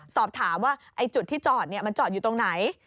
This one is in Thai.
สอบถามว่าจุดที่จอดมันจอดอยู่ตรงไหน